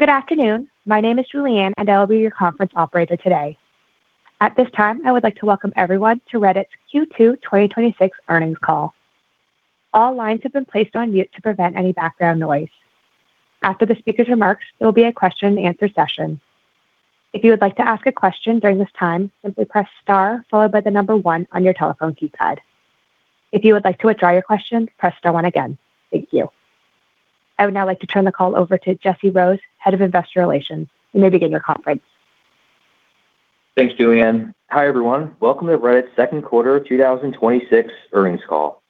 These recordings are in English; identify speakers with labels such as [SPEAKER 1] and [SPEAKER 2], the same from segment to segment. [SPEAKER 1] Good afternoon. My name is Julianne, and I will be your conference operator today. At this time, I would like to welcome everyone to Reddit's Q2 2026 Earnings Call. All lines have been placed on mute to prevent any background noise. After the speaker's remarks, there will be a question and answer session. If you would like to ask a question during this time, simply press star followed by the number 1 on your telephone keypad. If you would like to withdraw your question, press star one again. Thank you. I would now like to turn the call over to Jesse Rose, Head of Investor Relations. You may begin your conference.
[SPEAKER 2] Thanks, Julianne. Hi, everyone. Welcome to Reddit's Second Quarter 2026 Earnings Call.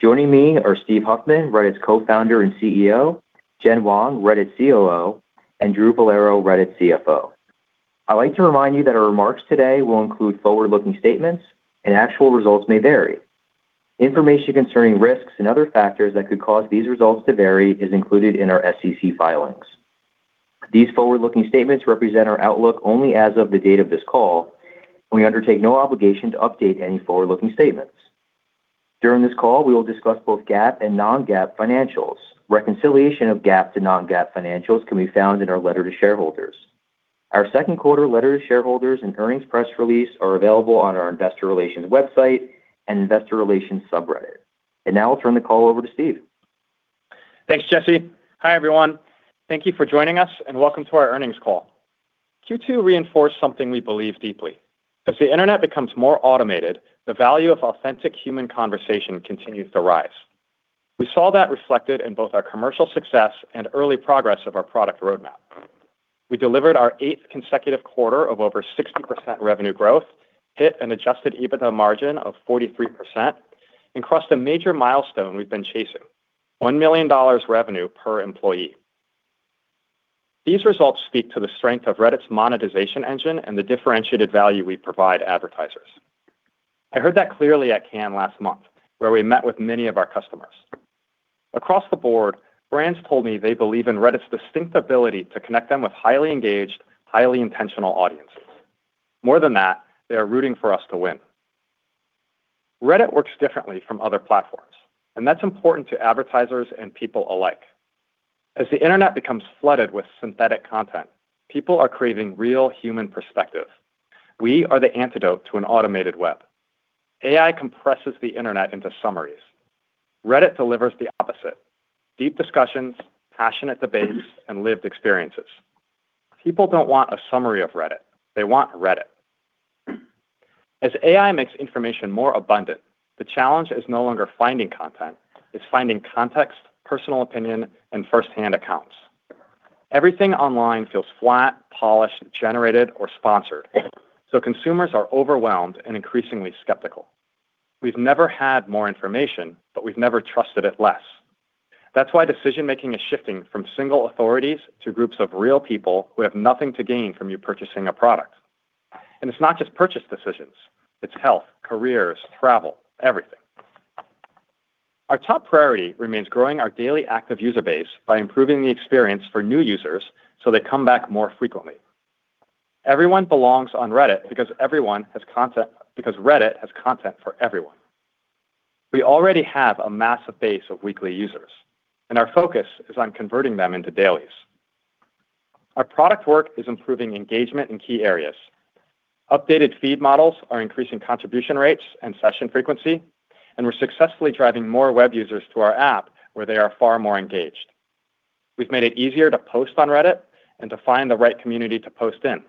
[SPEAKER 2] Joining me are Steve Huffman, Reddit's Co-founder and CEO, Jen Wong, Reddit's COO, and Drew Vollero, Reddit's CFO. I'd like to remind you that our remarks today will include forward-looking statements and actual results may vary. Information concerning risks and other factors that could cause these results to vary is included in our SEC filings. These forward-looking statements represent our outlook only as of the date of this call, and we undertake no obligation to update any forward-looking statements. During this call, we will discuss both GAAP and non-GAAP financials. Reconciliation of GAAP to non-GAAP financials can be found in our letter to shareholders. Our second quarter letter to shareholders and earnings press release are available on our investor relations website and investor relations subreddit. I'll turn the call over to Steve.
[SPEAKER 3] Thanks, Jesse. Hi, everyone. Thank you for joining us and welcome to our earnings call. Q2 reinforced something we believe deeply. As the internet becomes more automated, the value of authentic human conversation continues to rise. We saw that reflected in both our commercial success and early progress of our product roadmap. We delivered our eighth consecutive quarter of over 60% revenue growth, hit an adjusted EBITDA margin of 43%, and crossed a major milestone we've been chasing, $1 million revenue per employee. These results speak to the strength of Reddit's monetization engine and the differentiated value we provide advertisers. I heard that clearly at Cannes last month, where we met with many of our customers. Across the board, brands told me they believe in Reddit's distinct ability to connect them with highly engaged, highly intentional audiences. More than that, they are rooting for us to win. Reddit works differently from other platforms, and that's important to advertisers and people alike. As the internet becomes flooded with synthetic content, people are craving real human perspective. We are the antidote to an automated web. AI compresses the internet into summaries. Reddit delivers the opposite: deep discussions, passionate debates, and lived experiences. People don't want a summary of Reddit, they want Reddit. As AI makes information more abundant, the challenge is no longer finding content, it's finding context, personal opinion, and first-hand accounts. Everything online feels flat, polished, generated, or sponsored, so consumers are overwhelmed and increasingly skeptical. We've never had more information, but we've never trusted it less. That's why decision-making is shifting from single authorities to groups of real people who have nothing to gain from you purchasing a product. It's not just purchase decisions, it's health, careers, travel, everything. Our top priority remains growing our daily active user base by improving the experience for new users so they come back more frequently. Everyone belongs on Reddit because Reddit has content for everyone. We already have a massive base of weekly users, and our focus is on converting them into dailies. Our product work is improving engagement in key areas. Updated feed models are increasing contribution rates and session frequency, and we're successfully driving more web users to our app where they are far more engaged. We've made it easier to post on Reddit and to find the right community to post in.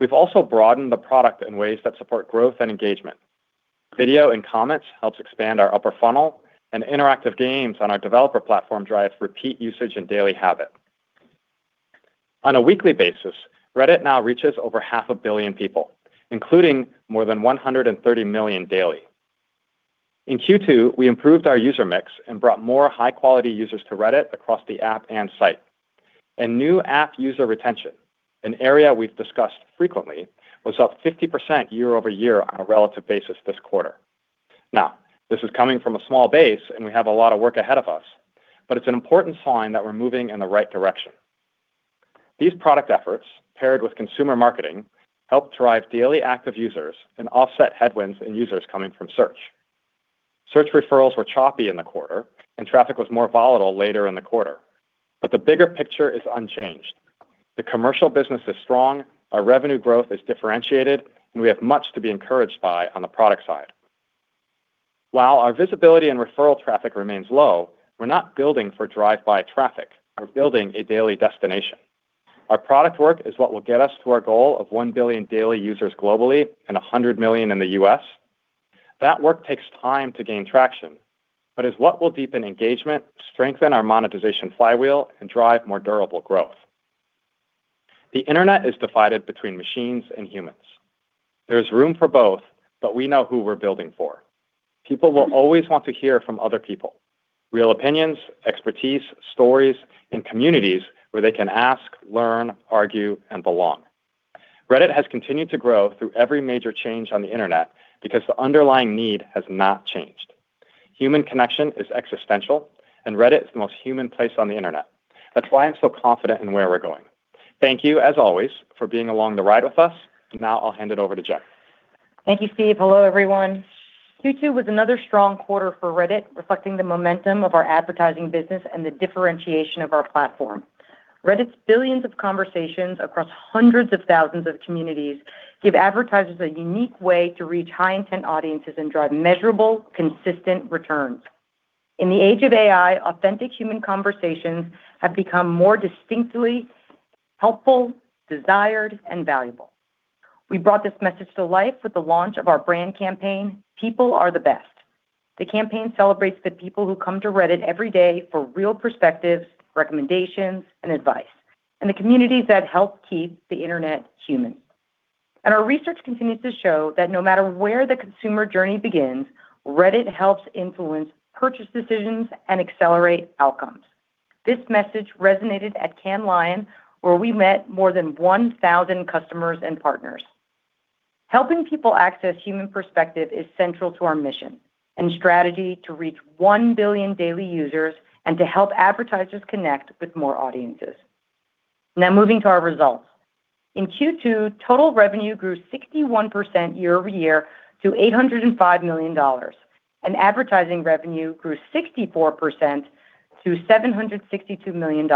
[SPEAKER 3] We've also broadened the product in ways that support growth and engagement. Video and comments helps expand our upper funnel, and interactive games on our developer platform drives repeat usage and daily habit. On a weekly basis, Reddit now reaches over half a billion people, including more than 130 million daily. In Q2, we improved our user mix and brought more high-quality users to Reddit across the app and site. New app user retention, an area we've discussed frequently, was up 50% year-over-year on a relative basis this quarter. This is coming from a small base and we have a lot of work ahead of us, but it's an important sign that we're moving in the right direction. These product efforts, paired with consumer marketing, help drive daily active users and offset headwinds in users coming from search. Search referrals were choppy in the quarter and traffic was more volatile later in the quarter. The bigger picture is unchanged. The commercial business is strong, our revenue growth is differentiated, and we have much to be encouraged by on the product side. While our visibility in referral traffic remains low, we're not building for drive-by traffic. We're building a daily destination. Our product work is what will get us to our goal of one billion daily users globally and 100 million in the U.S. That work takes time to gain traction, but is what will deepen engagement, strengthen our monetization flywheel, and drive more durable growth. The internet is divided between machines and humans. There's room for both, but we know who we're building for. People will always want to hear from other people, real opinions, expertise, stories, and communities where they can ask, learn, argue, and belong. Reddit has continued to grow through every major change on the internet because the underlying need has not changed. Human connection is existential. Reddit is the most human place on the internet. That's why I'm so confident in where we're going. Thank you, as always, for being along the ride with us. I'll hand it over to Jen.
[SPEAKER 4] Thank you, Steve. Hello, everyone. Q2 was another strong quarter for Reddit, reflecting the momentum of our advertising business and the differentiation of our platform. Reddit's billions of conversations across hundreds of thousands of communities give advertisers a unique way to reach high-intent audiences and drive measurable, consistent returns. In the age of AI, authentic human conversations have become more distinctly helpful, desired, and valuable. We brought this message to life with the launch of our brand campaign, People Are the Best. The campaign celebrates the people who come to Reddit every day for real perspectives, recommendations, and advice, and the communities that help keep the internet human. Our research continues to show that no matter where the consumer journey begins, Reddit helps influence purchase decisions and accelerate outcomes. This message resonated at Cannes Lions, where we met more than 1,000 customers and partners. Helping people access human perspective is central to our mission and strategy to reach one billion daily users and to help advertisers connect with more audiences. Moving to our results. In Q2, total revenue grew 61% year-over-year to $805 million. Advertising revenue grew 64% to $762 million,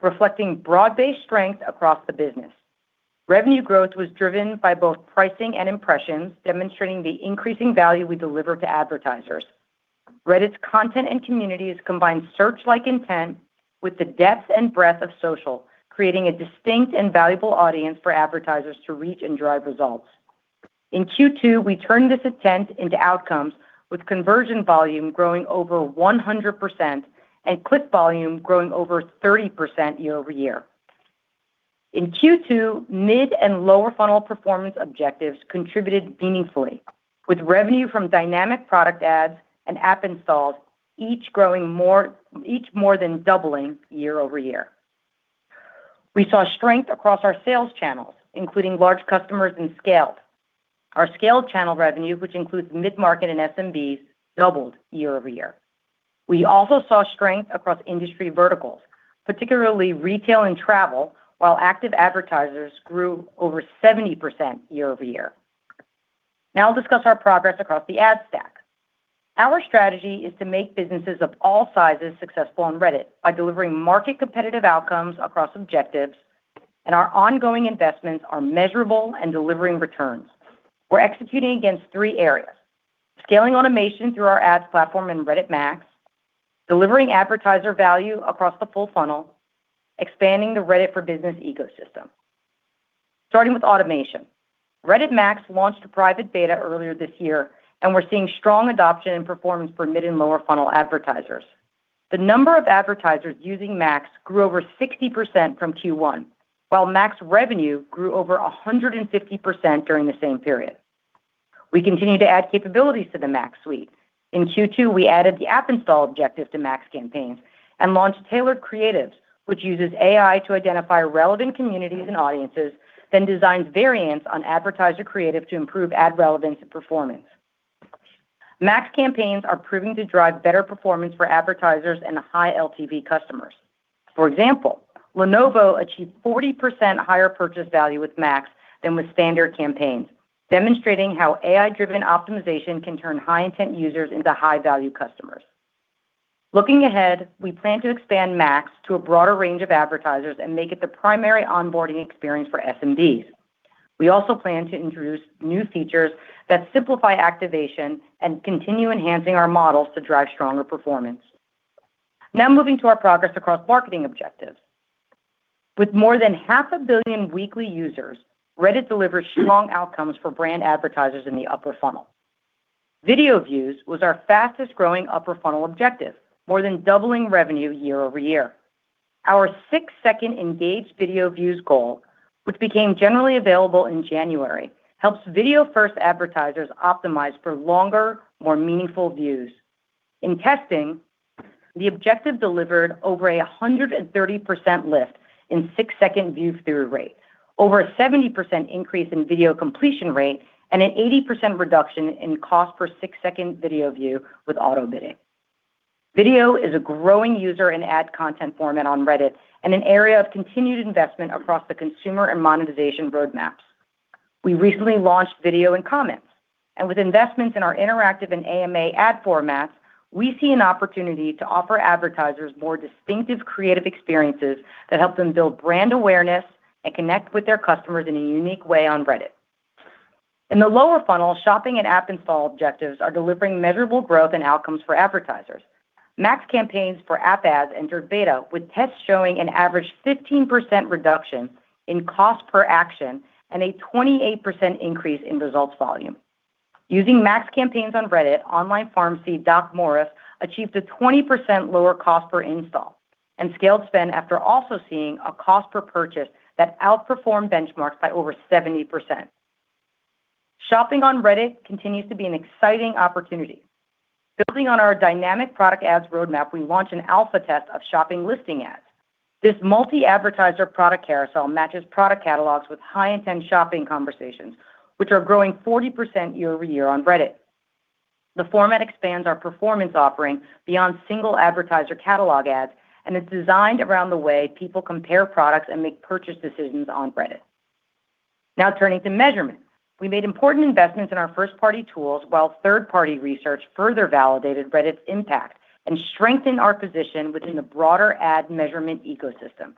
[SPEAKER 4] reflecting broad-based strength across the business. Revenue growth was driven by both pricing and impressions, demonstrating the increasing value we deliver to advertisers. Reddit's content and communities combine search-like intent with the depth and breadth of social, creating a distinct and valuable audience for advertisers to reach and drive results. In Q2, we turned this intent into outcomes with conversion volume growing over 100% and click volume growing over 30% year-over-year. In Q2, mid and lower funnel performance objectives contributed meaningfully with revenue from Dynamic Product Ads and app installs, each more than doubling year-over-year. We saw strength across our sales channels, including large customers and scaled. Our scaled channel revenue, which includes mid-market and SMBs, doubled year-over-year. We also saw strength across industry verticals, particularly retail and travel, while active advertisers grew over 70% year-over-year. I'll discuss our progress across the ad stack. Our strategy is to make businesses of all sizes successful on Reddit by delivering market-competitive outcomes across objectives. Our ongoing investments are measurable and delivering returns. We're executing against three areas: scaling automation through our ads platform in Reddit Max, delivering advertiser value across the full funnel, expanding the Reddit for business ecosystem. Starting with automation. Reddit Max launched a private beta earlier this year. We're seeing strong adoption and performance for mid and lower funnel advertisers. The number of advertisers using Max grew over 60% from Q1, while Max revenue grew over 150% during the same period. We continue to add capabilities to the Max suite. In Q2, we added the app install objective to Max campaigns and launched tailored creatives, which uses AI to identify relevant communities and audiences, then designs variants on advertiser creative to improve ad relevance and performance. Max campaigns are proving to drive better performance for advertisers and high LTV customers. For example, Lenovo achieved 40% higher purchase value with Max than with standard campaigns, demonstrating how AI-driven optimization can turn high-intent users into high-value customers. Looking ahead, we plan to expand Max to a broader range of advertisers and make it the primary onboarding experience for SMBs. We also plan to introduce new features that simplify activation and continue enhancing our models to drive stronger performance. Moving to our progress across marketing objectives. With more than half a billion weekly users, Reddit delivers strong outcomes for brand advertisers in the upper funnel. Video views was our fastest-growing upper funnel objective, more than doubling revenue year-over-year. Our six-second engaged video views goal, which became generally available in January, helps video-first advertisers optimize for longer, more meaningful views. In testing, the objective delivered over 130% lift in six-second view-through rate, over a 70% increase in video completion rate, and an 80% reduction in cost per six-second video view with auto-bidding. Video is a growing user and ad content format on Reddit and an area of continued investment across the consumer and monetization roadmaps. We recently launched video and comments, with investments in our interactive and AMA ad formats, we see an opportunity to offer advertisers more distinctive creative experiences that help them build brand awareness and connect with their customers in a unique way on Reddit. In the lower funnel, shopping and app install objectives are delivering measurable growth and outcomes for advertisers. Max campaigns for app ads entered beta, with tests showing an average 15% reduction in cost per action and a 28% increase in results volume. Using Max campaigns on Reddit, online pharmacy DocMorris achieved a 20% lower cost per install and scaled spend after also seeing a cost per purchase that outperformed benchmarks by over 70%. Shopping on Reddit continues to be an exciting opportunity. Building on our Dynamic Product Ads roadmap, we launched an alpha test of shopping listing ads. This multi-advertiser product carousel matches product catalogs with high-intent shopping conversations, which are growing 40% year-over-year on Reddit. The format expands our performance offering beyond single advertiser catalog ads, it's designed around the way people compare products and make purchase decisions on Reddit. Turning to measurement. We made important investments in our first-party tools, while third-party research further validated Reddit's impact and strengthened our position within the broader ad measurement ecosystem.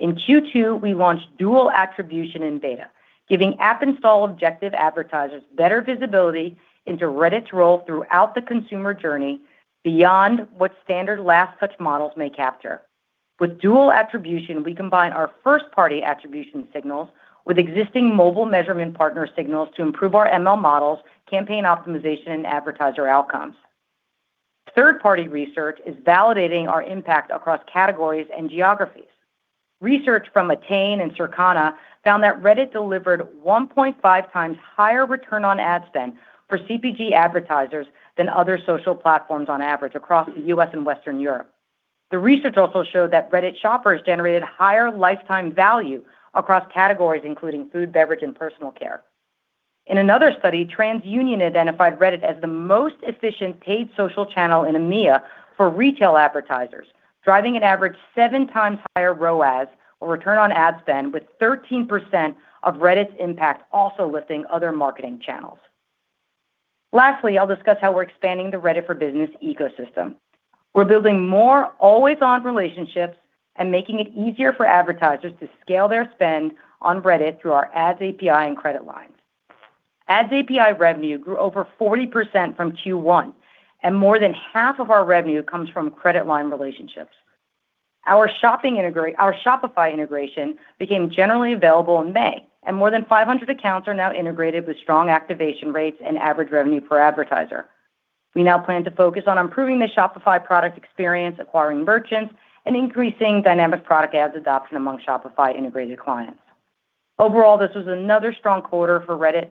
[SPEAKER 4] In Q2, we launched dual attribution in beta, giving app install objective advertisers better visibility into Reddit's role throughout the consumer journey beyond what standard last touch models may capture. With dual attribution, we combine our first-party attribution signals with existing mobile measurement partner signals to improve our ML models, campaign optimization, and advertiser outcomes. Third-party research is validating our impact across categories and geographies. Research from Attain and Circana found that Reddit delivered 1.5x higher return on ad spend for CPG advertisers than other social platforms on average across the U.S. and Western Europe. The research also showed that Reddit shoppers generated higher lifetime value across categories including food, beverage, and personal care. In another study, TransUnion identified Reddit as the most efficient paid social channel in EMEA for retail advertisers, driving an average seven times higher ROAS, or return on ad spend, with 13% of Reddit's impact also lifting other marketing channels. I'll discuss how we're expanding the Reddit for Business ecosystem. We're building more always-on relationships and making it easier for advertisers to scale their spend on Reddit through our Ads API and credit lines. Ads API revenue grew over 40% from Q1, more than half of our revenue comes from credit line relationships. Our Shopify integration became generally available in May, and more than 500 accounts are now integrated with strong activation rates and average revenue per advertiser. We now plan to focus on improving the Shopify product experience, acquiring merchants, and increasing Dynamic Product Ads adoption among Shopify-integrated clients. Overall, this was another strong quarter for Reddit.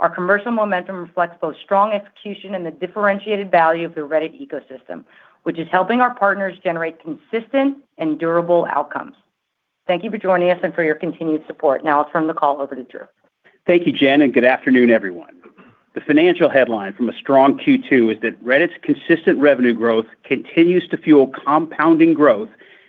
[SPEAKER 4] Our commercial momentum reflects both strong execution and the differentiated value of the Reddit ecosystem, which is helping our partners generate consistent and durable outcomes. Thank you for joining us and for your continued support. I'll turn the call over to Drew.
[SPEAKER 5] Thank you, Jen, and good afternoon, everyone. The financial headline from a strong Q2 is that Reddit's consistent revenue growth continues to fuel compounding growth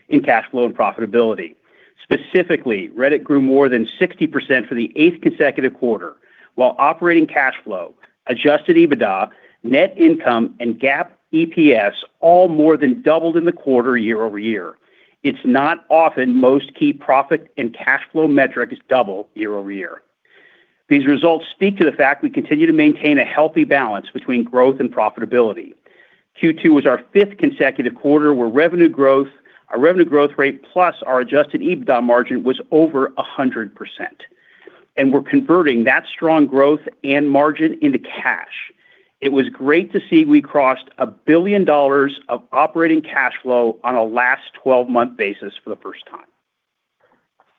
[SPEAKER 5] in cash flow and profitability. Specifically, Reddit grew more than 60% for the eighth consecutive quarter, while operating cash flow, adjusted EBITDA, net income, and GAAP EPS all more than doubled in the quarter year-over-year. It's not often most key profit and cash flow metrics double year-over-year. These results speak to the fact we continue to maintain a healthy balance between growth and profitability. Q2 was our fifth consecutive quarter where our revenue growth rate plus our adjusted EBITDA margin was over 100%. We're converting that strong growth and margin into cash. It was great to see we crossed $1 billion of operating cash flow on a last 12-month basis for the first time.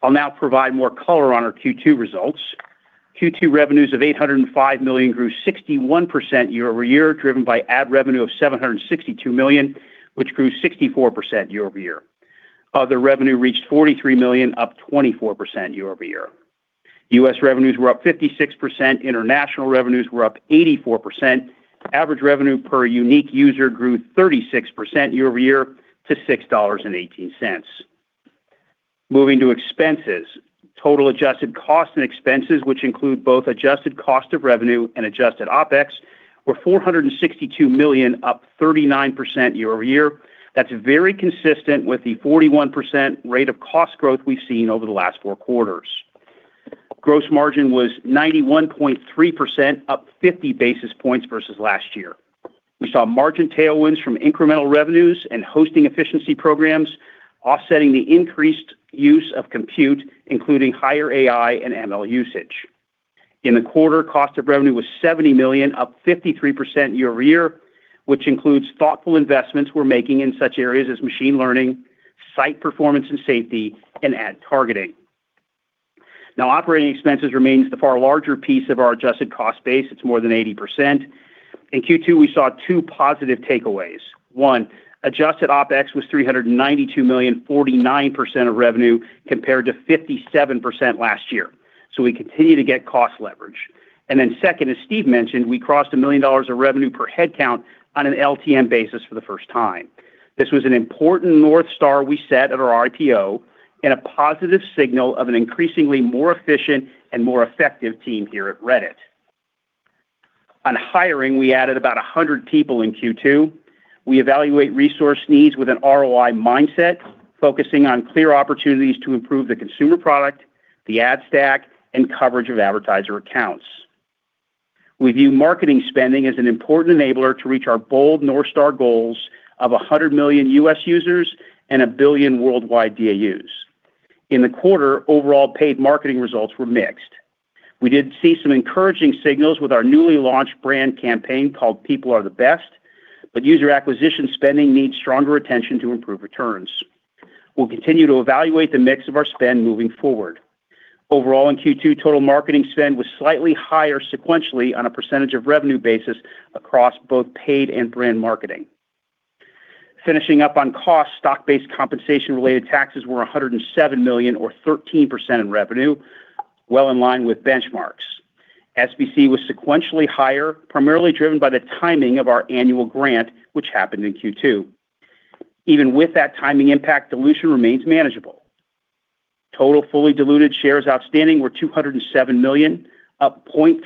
[SPEAKER 5] I'll now provide more color on our Q2 results. Q2 revenues of $805 million grew 61% year-over-year, driven by ad revenue of $762 million, which grew 64% year-over-year. Other revenue reached $43 million, up 24% year-over-year. U.S. revenues were up 56%. International revenues were up 84%. Average revenue per unique user grew 36% year-over-year to $6.18. Moving to expenses. Total adjusted costs and expenses, which include both adjusted cost of revenue and adjusted OpEx, were $462 million, up 39% year-over-year. That's very consistent with the 41% rate of cost growth we've seen over the last four quarters. Gross margin was 91.3%, up 50 basis points versus last year. We saw margin tailwinds from incremental revenues and hosting efficiency programs offsetting the increased use of compute, including higher AI and ML usage. In the quarter, cost of revenue was $70 million, up 53% year-over-year, which includes thoughtful investments we're making in such areas as machine learning, site performance and safety, and ad targeting. Operating expenses remains the far larger piece of our adjusted cost base. It's more than 80%. In Q2, we saw two positive takeaways. One, adjusted OpEx was $392 million, 49% of revenue, compared to 57% last year. We continue to get cost leverage. Second, as Steve mentioned, we crossed $1 million of revenue per head count on an LTM basis for the first time. This was an important North Star we set at our RTO and a positive signal of an increasingly more efficient and more effective team here at Reddit. On hiring, we added about 100 people in Q2. We evaluate resource needs with an ROI mindset, focusing on clear opportunities to improve the consumer product, the ad stack, and coverage of advertiser accounts. We view marketing spending as an important enabler to reach our bold North Star goals of 100 million U.S. users and 1 billion worldwide DAUs. In the quarter, overall paid marketing results were mixed. We did see some encouraging signals with our newly launched brand campaign called People Are the Best, but user acquisition spending needs stronger attention to improve returns. We'll continue to evaluate the mix of our spend moving forward. Overall, in Q2, total marketing spend was slightly higher sequentially on a percentage of revenue basis across both paid and brand marketing. Finishing up on cost, SBC related taxes were $107 million, or 13% in revenue, well in line with benchmarks. SBC was sequentially higher, primarily driven by the timing of our annual grant, which happened in Q2. Even with that timing impact, dilution remains manageable. Total fully diluted shares outstanding were 207 million, up 0.3%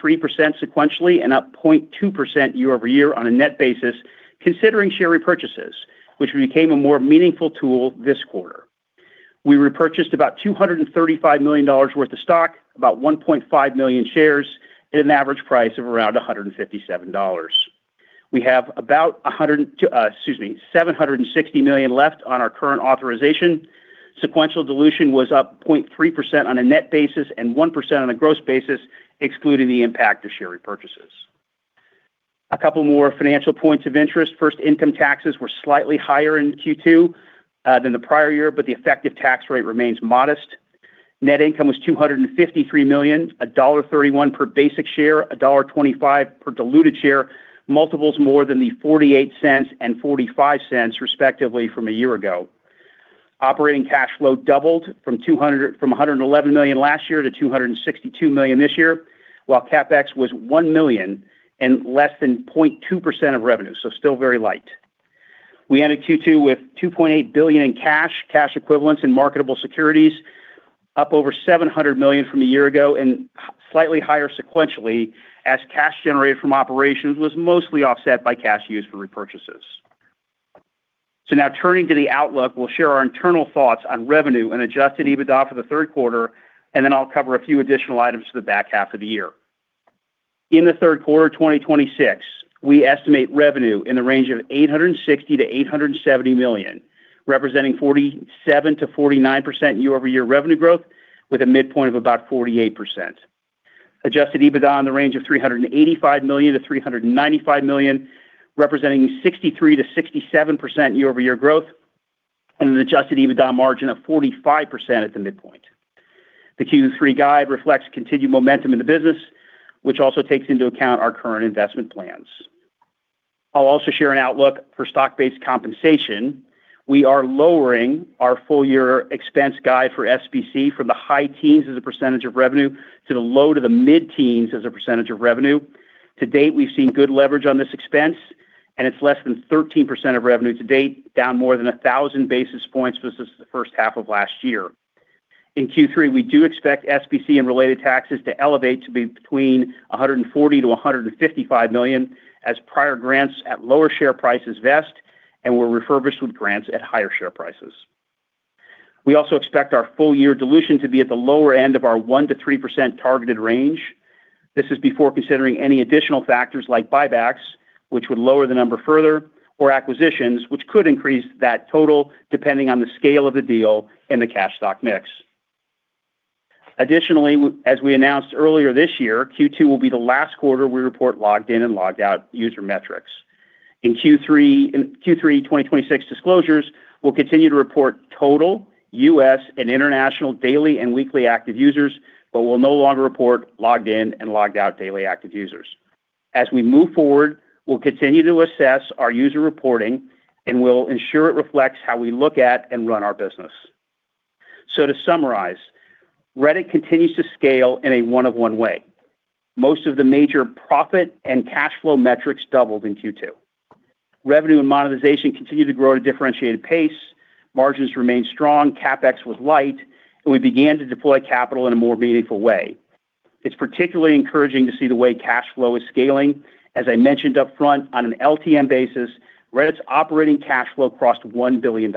[SPEAKER 5] sequentially and up 0.2% year-over-year on a net basis considering share repurchases, which became a more meaningful tool this quarter. We repurchased about $235 million worth of stock, about 1.5 million shares, at an average price of around $157. We have about $760 million left on our current authorization. Sequential dilution was up 0.3% on a net basis and 1% on a gross basis, excluding the impact of share repurchases. A couple more financial points of interest. First, income taxes were slightly higher in Q2 than the prior year, but the effective tax rate remains modest. Net income was $253 million, $1.31 per basic share, $1.25 per diluted share, multiples more than the $0.48 and $0.45 respectively from a year ago. Operating cash flow doubled from $111 million last year to $262 million this year, while CapEx was $1 million and less than 0.2% of revenue, so still very light. We ended Q2 with $2.8 billion in cash equivalents in marketable securities, up over $700 million from a year ago and slightly higher sequentially as cash generated from operations was mostly offset by cash used for repurchases. Now turning to the outlook, we'll share our internal thoughts on revenue and adjusted EBITDA for the third quarter, and then I'll cover a few additional items for the back half of the year. In the third quarter of 2026, we estimate revenue in the range of $860 million-$870 million, representing 47%-49% year-over-year revenue growth, with a midpoint of about 48%. Adjusted EBITDA in the range of $385 million-$395 million, representing 63%-67% year-over-year growth, and an adjusted EBITDA margin of 45% at the midpoint. The Q3 guide reflects continued momentum in the business, which also takes into account our current investment plans. I'll also share an outlook for SBC. We are lowering our full year expense guide for SBC from the high teens as a percentage of revenue to the low to the mid-teens as a percentage of revenue. To date, we've seen good leverage on this expense, and it's less than 13% of revenue to date, down more than 1,000 basis points versus the first half of last year. In Q3, we do expect SBC and related taxes to elevate to between $140 million-$155 million as prior grants at lower share prices vest and were refurbished with grants at higher share prices. We also expect our full year dilution to be at the lower end of our 1%-3% targeted range. This is before considering any additional factors like buybacks, which would lower the number further, or acquisitions, which could increase that total depending on the scale of the deal and the cash stock mix. Additionally, as we announced earlier this year, Q2 will be the last quarter we report logged in and logged out user metrics. In Q3 2026 disclosures, we'll continue to report total U.S. and international daily and weekly active users, but we'll no longer report logged in and logged out daily active users. As we move forward, we'll continue to assess our user reporting, and we'll ensure it reflects how we look at and run our business. To summarize, Reddit continues to scale in a one of one way. Most of the major profit and cash flow metrics doubled in Q2. Revenue and monetization continue to grow at a differentiated pace. Margins remain strong, CapEx was light, and we began to deploy capital in a more meaningful way. It's particularly encouraging to see the way cash flow is scaling. As I mentioned up front, on an LTM basis, Reddit's operating cash flow crossed $1 billion.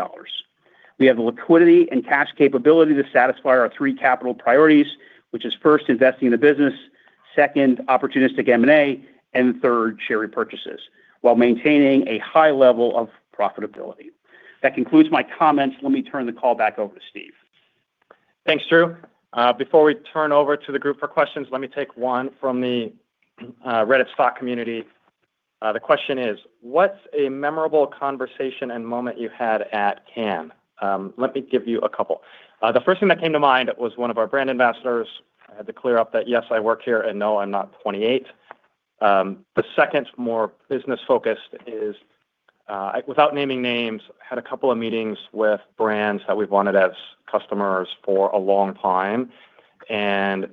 [SPEAKER 5] We have the liquidity and cash capability to satisfy our three capital priorities, which is first, investing in the business, second, opportunistic M&A, and third, share repurchases while maintaining a high level of profitability. That concludes my comments. Let me turn the call back over to Steve.
[SPEAKER 3] Thanks, Drew. Before we turn over to the group for questions, let me take one from the Reddit stock community. The question is, "What's a memorable conversation and moment you had at Cannes?" Let me give you a couple. The first thing that came to mind was one of our brand ambassadors. I had to clear up that, yes, I work here, and no, I'm not 28. The second more business-focused is, without naming names, had a couple of meetings with brands that we've wanted as customers for a long time, and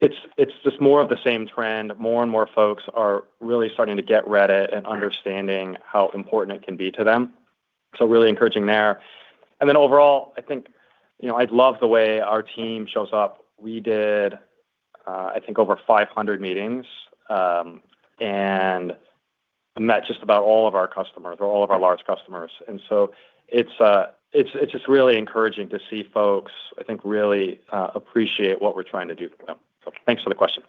[SPEAKER 3] it's just more of the same trend. More and more folks are really starting to get Reddit and understanding how important it can be to them, really encouraging there. Overall, I think I love the way our team shows up. We did I think over 500 meetings, and I met just about all of our customers or all of our large customers. It's just really encouraging to see folks, really appreciate what we're trying to do for them. Thanks for the question.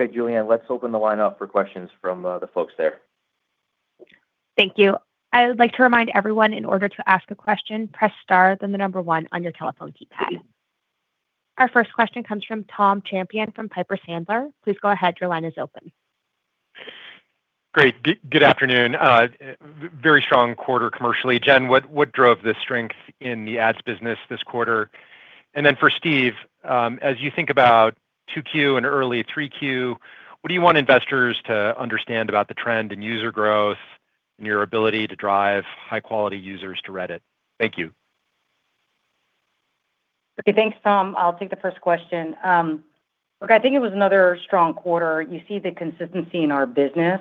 [SPEAKER 3] Okay, Julianne, let's open the line up for questions from the folks there.
[SPEAKER 1] Thank you. I would like to remind everyone, in order to ask a question, press star then the number one on your telephone keypad. Our first question comes from Tom Champion from Piper Sandler. Please go ahead, your line is open.
[SPEAKER 6] Great. Good afternoon. Very strong quarter commercially. Jen, what drove the strength in the ads business this quarter? Then for Steve, as you think about 2Q and early 3Q, what do you want investors to understand about the trend in user growth and your ability to drive high-quality users to Reddit? Thank you.
[SPEAKER 4] Okay. Thanks, Tom. I'll take the first question. Look, I think it was another strong quarter. You see the consistency in our business.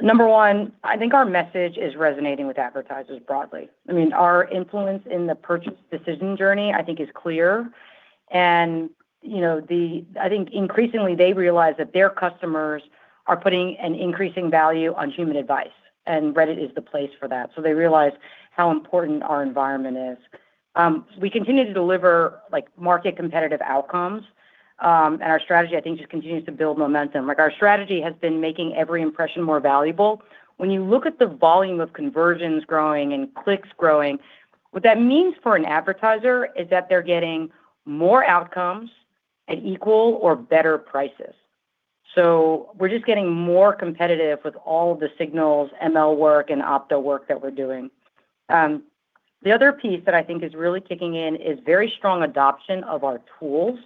[SPEAKER 4] Number one, I think our message is resonating with advertisers broadly. Our influence in the purchase decision journey, I think is clear. I think increasingly they realize that their customers are putting an increasing value on human advice, and Reddit is the place for that, so they realize how important our environment is. We continue to deliver market competitive outcomes. Our strategy, I think, just continues to build momentum. Our strategy has been making every impression more valuable. When you look at the volume of conversions growing and clicks growing, what that means for an advertiser is that they're getting more outcomes at equal or better prices. We're just getting more competitive with all the signals, ML work, and optimization work that we're doing. The other piece that I think is really kicking in is very strong adoption of our tools.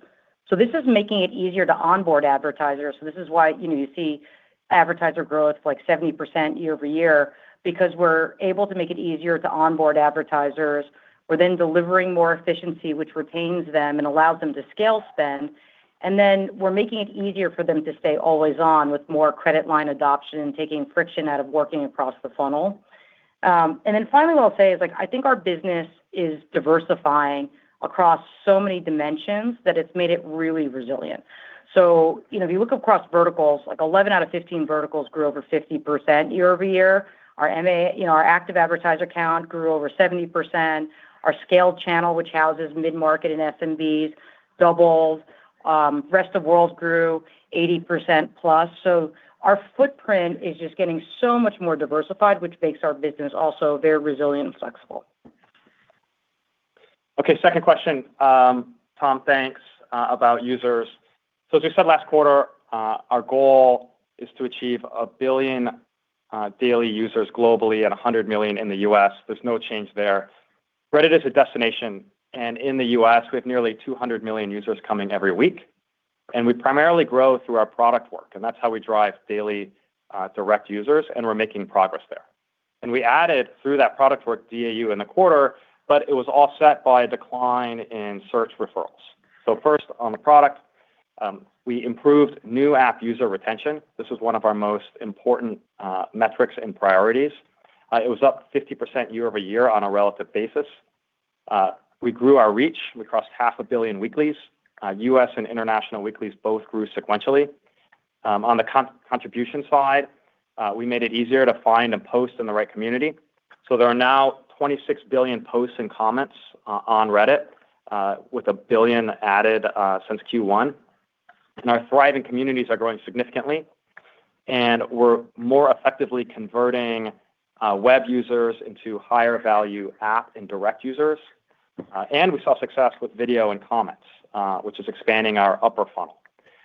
[SPEAKER 4] This is making it easier to onboard advertisers. This is why you see advertiser growth 70% year-over-year because we're able to make it easier to onboard advertisers. We're then delivering more efficiency, which retains them and allows them to scale spend. We're making it easier for them to stay always on with more credit line adoption and taking friction out of working across the funnel. Finally, what I'll say is I think our business is diversifying across so many dimensions that it's made it really resilient. If you look across verticals, 11 out of 15 verticals grew over 50% year-over-year. Our active advertiser count grew over 70%. Our scaled channel, which houses mid-market and SMBs, doubled. Rest of world grew 80%+. Our footprint is just getting so much more diversified, which makes our business also very resilient and flexible.
[SPEAKER 3] Okay. Second question, Tom, thanks, about users. As we said last quarter, our goal is to achieve 1 billion daily users globally at 100 million in the U.S. There's no change there. Reddit is a destination, and in the U.S., we have nearly 200 million users coming every week, and we primarily grow through our product work, and that's how we drive daily direct users, and we're making progress there. We added through that product work DAU in the quarter, but it was offset by a decline in search referrals. First on the product, we improved new app user retention. This was one of our most important metrics and priorities. It was up 50% year-over-year on a relative basis. We grew our reach. We crossed 500,000,000 weeklies. U.S. and international weeklies both grew sequentially. On the contribution side, we made it easier to find a post in the right community. There are now 26 billion posts and comments on Reddit, with 1 billion added since Q1. Our thriving communities are growing significantly, and we're more effectively converting web users into higher value app and direct users. We saw success with video and comments, which is expanding our upper funnel.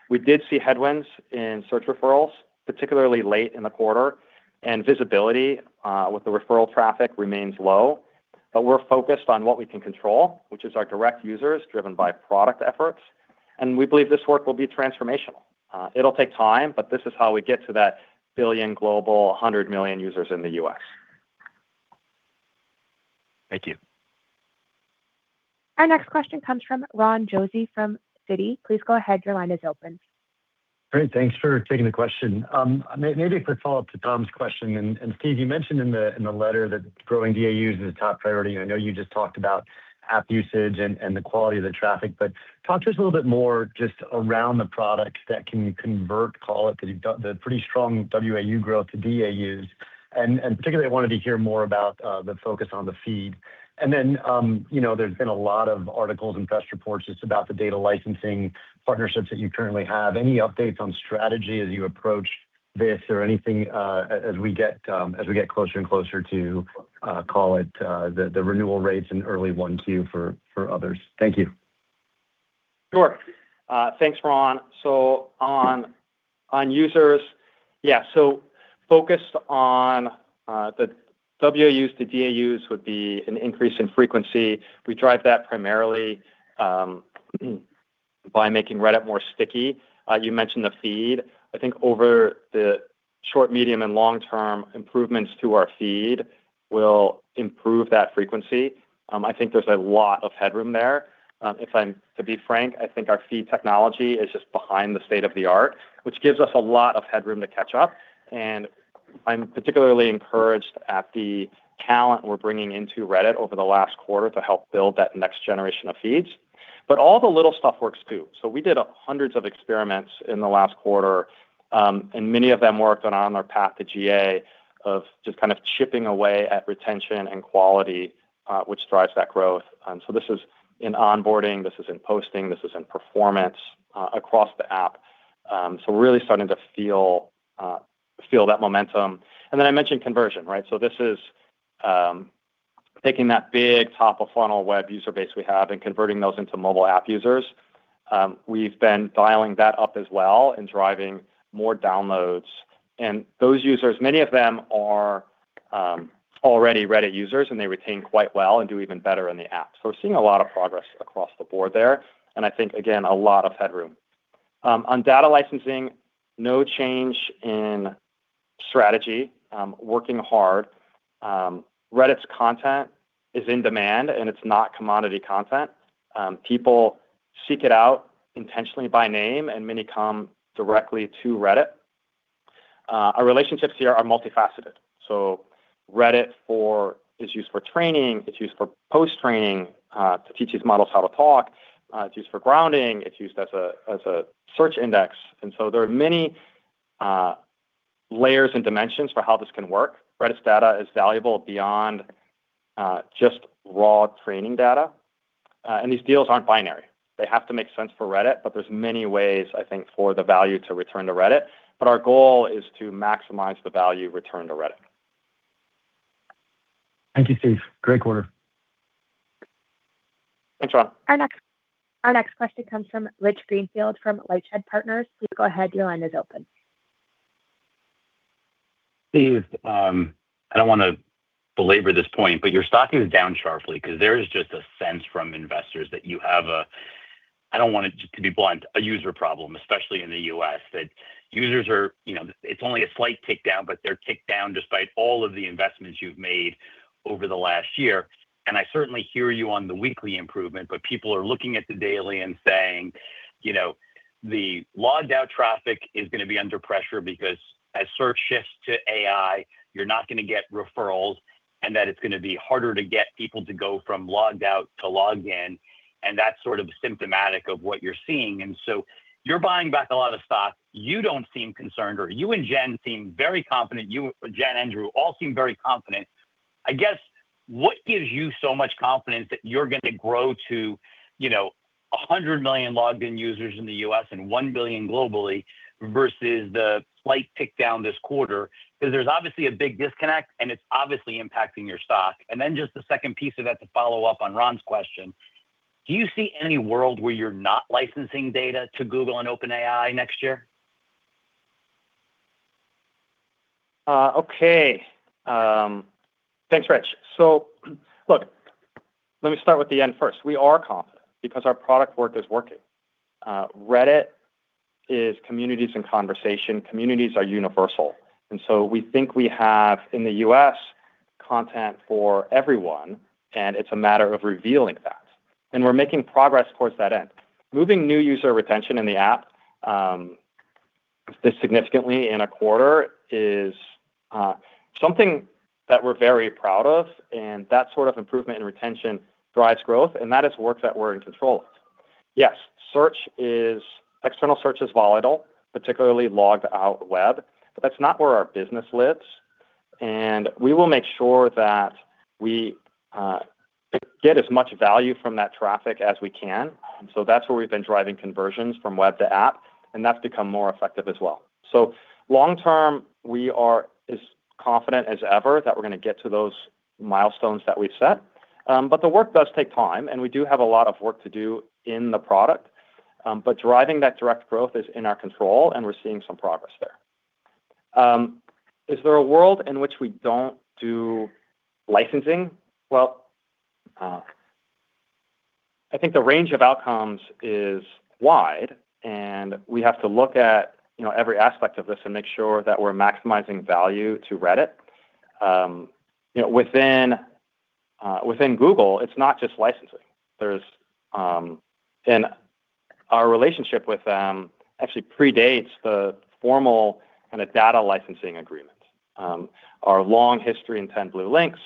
[SPEAKER 3] We did see headwinds in search referrals, particularly late in the quarter, and visibility with the referral traffic remains low. We're focused on what we can control, which is our direct users driven by product efforts. We believe this work will be transformational. It'll take time. This is how we get to that 1 billion global, 100 million users in the U.S.
[SPEAKER 6] Thank you.
[SPEAKER 1] Our next question comes from Ron Josey from Citi.
[SPEAKER 7] Great. Thanks for taking the question. Maybe a quick follow-up to Tom's question. Steve, you mentioned in the letter that growing DAUs is a top priority, and I know you just talked about app usage and the quality of the traffic, but talk to us a little bit more just around the products that can convert, call it the pretty strong WAU growth to DAUs. Particularly, I wanted to hear more about the focus on the feed. Then there's been a lot of articles and press reports just about the data licensing partnerships that you currently have. Any updates on strategy as you approach this or anything as we get closer and closer to call it the renewal rates in early 1Q for others? Thank you.
[SPEAKER 3] Sure. Thanks, Ron. On users, yeah, focused on the WAUs to DAUs would be an increase in frequency. We drive that primarily by making Reddit more sticky. You mentioned the feed. I think over the short, medium, and long-term improvements to our feed will improve that frequency. I think there's a lot of headroom there. To be frank, I think our feed technology is just behind the state of the art, which gives us a lot of headroom to catch up. I'm particularly encouraged at the talent we're bringing into Reddit over the last quarter to help build that next generation of feeds. All the little stuff works, too. We did hundreds of experiments in the last quarter, and many of them worked and are on our path to GA of just chipping away at retention and quality, which drives that growth. This is in onboarding, this is in posting, this is in performance across the app. We're really starting to feel that momentum. I mentioned conversion, right? This is taking that big top-of-funnel web user base we have and converting those into mobile app users. We've been dialing that up as well and driving more downloads. Those users, many of them are already Reddit users, and they retain quite well and do even better in the app. We're seeing a lot of progress across the board there, and I think, again, a lot of headroom. On data licensing, no change in strategy. Working hard. Reddit's content is in demand, and it's not commodity content. People seek it out intentionally by name, and many come directly to Reddit. Our relationships here are multifaceted. Reddit is used for training, it's used for post-training, to teach these models how to talk. It's used for grounding. It's used as a search index. There are many layers and dimensions for how this can work. Reddit's data is valuable beyond just raw training data. These deals aren't binary. They have to make sense for Reddit, but there's many ways, I think, for the value to return to Reddit. Our goal is to maximize the value return to Reddit.
[SPEAKER 7] Thank you, Steve. Great quarter.
[SPEAKER 3] Thanks, Ron.
[SPEAKER 1] Our next question comes from Rich Greenfield from LightShed Partners.
[SPEAKER 8] Steve, I don't want to belabor this point, your stock is down sharply because there is just a sense from investors that you have a, I don't want to just be blunt, a user problem, especially in the U.S. That users are, it's only a slight tick down, but they're ticked down despite all of the investments you've made over the last year. I certainly hear you on the weekly improvement, but people are looking at the daily and saying the logged-out traffic is going to be under pressure because as search shifts to AI, you're not going to get referrals, and that it's going to be harder to get people to go from logged out to logged in, and that's sort of symptomatic of what you're seeing. You're buying back a lot of stock. You don't seem concerned, or you and Jen seem very confident. You, Jen, Drew, all seem very confident. I guess, what gives you so much confidence that you're going to grow to 100 million logged-in users in the U.S. and 1 billion globally versus the slight tick down this quarter? There's obviously a big disconnect, and it's obviously impacting your stock. Just the second piece of that to follow up on Ron's question, do you see any world where you're not licensing data to Google and OpenAI next year?
[SPEAKER 3] Okay. Thanks, Rich. Look, let me start with the end first. We are confident because our product work is working. Reddit is communities and conversation. Communities are universal, we think we have, in the U.S., content for everyone, and it's a matter of revealing that, we're making progress towards that end. Moving new user retention in the app this significantly in a quarter is something that we're very proud of, that sort of improvement in retention drives growth, that is work that we're in control of. Yes, external search is volatile, particularly logged-out web, but that's not where our business lives, we will make sure that we get as much value from that traffic as we can. That's where we've been driving conversions from web to app, that's become more effective as well. Long-term, we are as confident as ever that we're going to get to those milestones that we've set. The work does take time, and we do have a lot of work to do in the product. Driving that direct growth is in our control, and we're seeing some progress there. Is there a world in which we don't do licensing? I think the range of outcomes is wide, and we have to look at every aspect of this and make sure that we're maximizing value to Reddit. Within Google, it's not just licensing. Our relationship with them actually predates the formal data licensing agreement. Our long history in 10 blue links,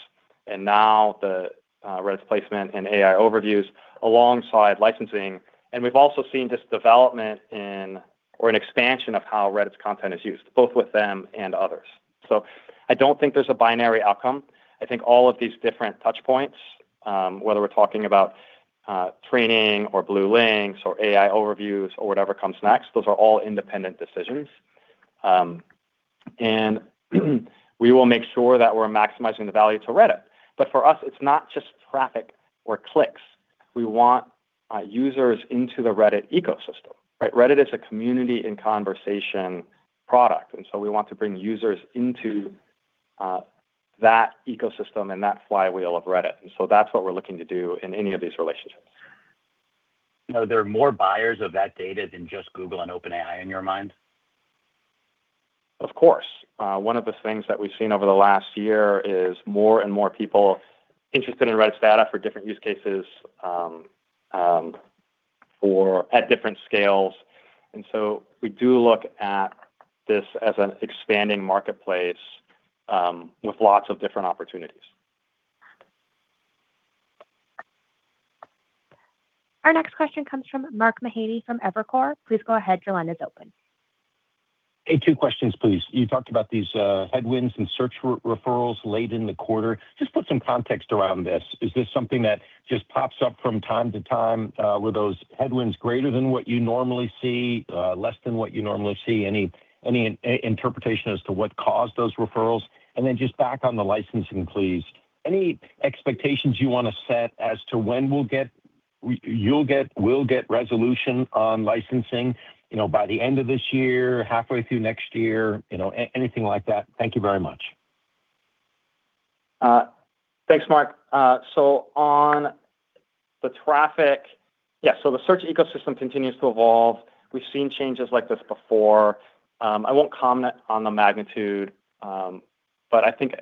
[SPEAKER 3] and now the Reddit placement in AI Overviews alongside licensing, and we've also seen this development in or an expansion of how Reddit's content is used, both with them and others. I don't think there's a binary outcome. I think all of these different touch points, whether we're talking about training or blue links or AI Overviews or whatever comes next, those are all independent decisions. We will make sure that we're maximizing the value to Reddit. For us, it's not just traffic or clicks. We want users into the Reddit ecosystem, right? Reddit is a community and conversation product. We want to bring users into that ecosystem and that flywheel of Reddit. That's what we're looking to do in any of these relationships.
[SPEAKER 8] Are there more buyers of that data than just Google and OpenAI in your mind?
[SPEAKER 3] Of course. One of the things that we've seen over the last year is more and more people interested in Reddit's data for different use cases or at different scales. We do look at this as an expanding marketplace with lots of different opportunities.
[SPEAKER 1] Our next question comes from Mark Mahaney from Evercore.
[SPEAKER 9] Hey, two questions, please. You talked about these headwinds and search referrals late in the quarter. Just put some context around this. Is this something that just pops up from time to time? Were those headwinds greater than what you normally see, less than what you normally see? Any interpretation as to what caused those referrals? Just back on the licensing, please. Any expectations you want to set as to when we'll get resolution on licensing, by the end of this year, halfway through next year, anything like that? Thank you very much.
[SPEAKER 3] Thanks, Mark. On the traffic, the search ecosystem continues to evolve. We've seen changes like this before. I won't comment on the magnitude, but I think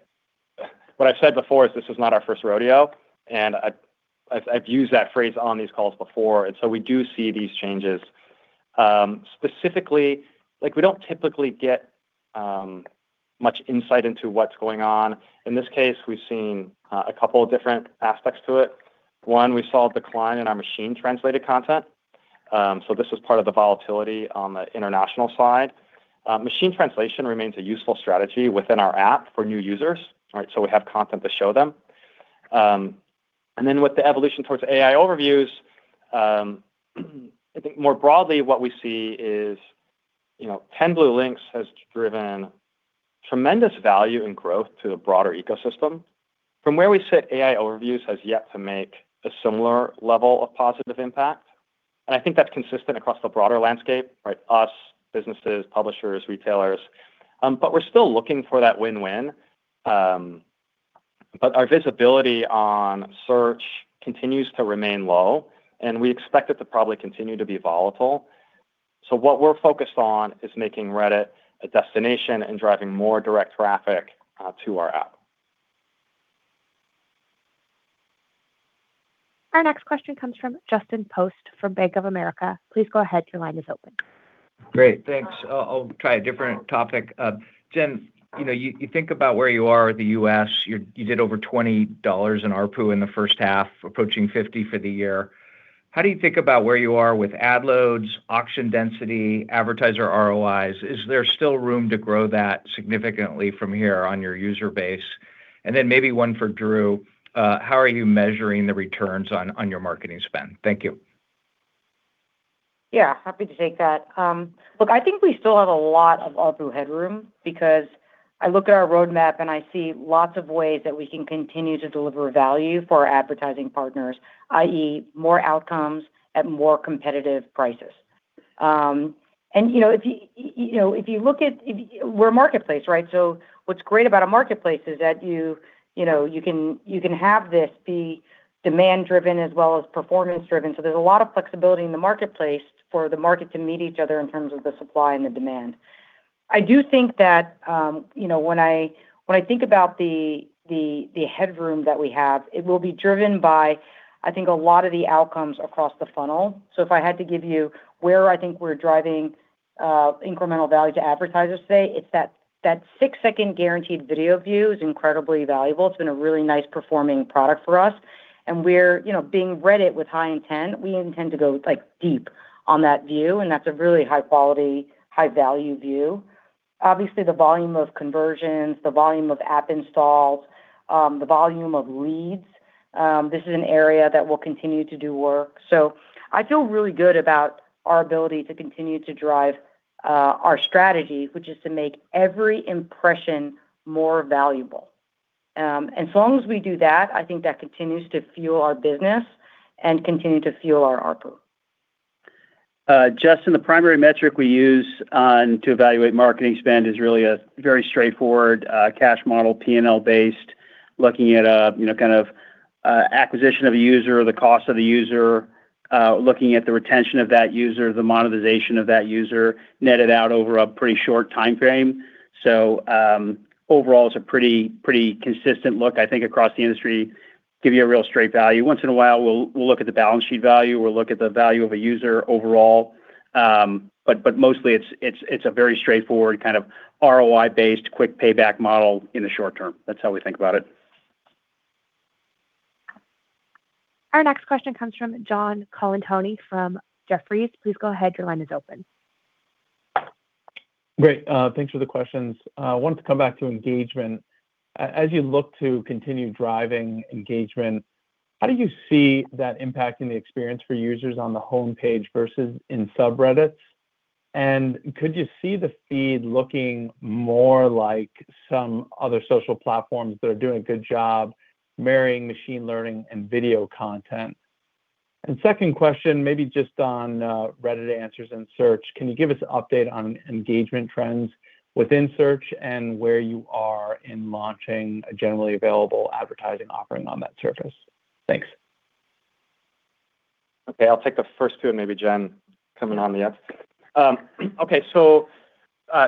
[SPEAKER 3] what I've said before is this is not our first rodeo, and I've used that phrase on these calls before. We do see these changes. Specifically, we don't typically get much insight into what's going on. In this case, we've seen a couple of different aspects to it. One, we saw a decline in our machine-translated content. This was part of the volatility on the international side. Machine translation remains a useful strategy within our app for new users, so we have content to show them. With the evolution towards AI Overviews, I think more broadly, what we see is 10 blue links has driven tremendous value and growth to the broader ecosystem. From where we sit, AI Overviews has yet to make a similar level of positive impact, and I think that's consistent across the broader landscape, us, businesses, publishers, retailers. We're still looking for that win-win. Our visibility on search continues to remain low, and we expect it to probably continue to be volatile. What we're focused on is making Reddit a destination and driving more direct traffic to our app.
[SPEAKER 1] Our next question comes from Justin Post from Bank of America.
[SPEAKER 10] Great. Thanks. I'll try a different topic. Jen, you think about where you are with the U.S. You did over $20 in ARPU in the first half, approaching $50 for the year. How do you think about where you are with ad loads, auction density, advertiser ROIs? Is there still room to grow that significantly from here on your user base? Then maybe one for Drew. How are you measuring the returns on your marketing spend? Thank you.
[SPEAKER 4] Happy to take that. Look, I think we still have a lot of ARPU headroom because I look at our roadmap, I see lots of ways that we can continue to deliver value for our advertising partners, i.e., more outcomes at more competitive prices. We're a marketplace. What's great about a marketplace is that you can have this be demand-driven as well as performance-driven. There's a lot of flexibility in the marketplace for the market to meet each other in terms of the supply and the demand. I do think that when I think about the headroom that we have, it will be driven by, I think, a lot of the outcomes across the funnel. If I had to give you where I think we're driving incremental value to advertisers today, it's that six-second guaranteed video view is incredibly valuable. It's been a really nice-performing product for us, and being Reddit with high intent, we intend to go deep on that view, and that's a really high-quality, high-value view. Obviously, the volume of conversions, the volume of app installs, the volume of leads, this is an area that we'll continue to do work. I feel really good about our ability to continue to drive our strategy, which is to make every impression more valuable. So long as we do that, I think that continues to fuel our business and continue to fuel our ARPU.
[SPEAKER 5] Justin, the primary metric we use to evaluate marketing spend is really a very straightforward cash model, P&L-based, looking at acquisition of a user, the cost of the user, looking at the retention of that user, the monetization of that user, netted out over a pretty short time frame. Overall, it's a pretty consistent look, I think, across the industry, give you a real straight value. Once in a while, we'll look at the balance sheet value. We'll look at the value of a user overall. Mostly it's a very straightforward ROI-based quick payback model in the short term. That's how we think about it.
[SPEAKER 1] Our next question comes from John Colantuoni from Jefferies.
[SPEAKER 11] Great. Thanks for the questions. I wanted to come back to engagement. As you look to continue driving engagement, how do you see that impacting the experience for users on the homepage versus in subreddits? Could you see the feed looking more like some other social platforms that are doing a good job marrying machine learning and video content? Second question, maybe just on Reddit Answers and Search. Can you give us an update on engagement trends within Search and where you are in launching a generally available advertising offering on that surface? Thanks.
[SPEAKER 3] Okay. I'll take the first two and maybe Jen coming on the end. Okay.